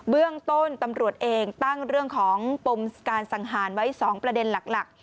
เรื่องต้นตำรวจเองตั้งเรื่องของปมการสังหารไว้๒ประเด็นหลัก